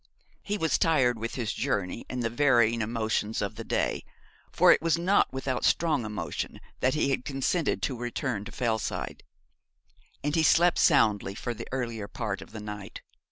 He was tired with his journey and the varying emotions of the day, for it was not without strong emotion that he had consented to return to Fellside and he slept soundly for the earlier part of the night.